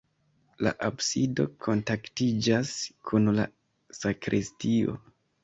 La absido kontaktiĝas kun la sakristio.